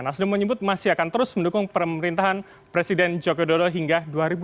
nasdem menyebut masih akan terus mendukung pemerintahan presiden joko dodo hingga dua ribu dua puluh